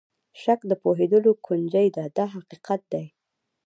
شک د پوهېدلو کونجۍ ده دا حقیقت دی.